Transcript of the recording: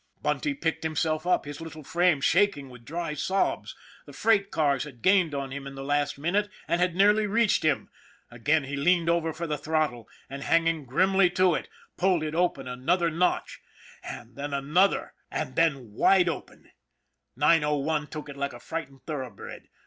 Bunty picked himself up, his little frame shaking with dry sobs. The freight cars had gained on him in the last minute, and had nearly reached him. Again he leaned over for the throttle, and hanging grimly to it, pulled it open another notch, and then another, and 40 ON THE IRON AT BIG CLOUD then wide open. 901 took it like a frightened thor oughbred.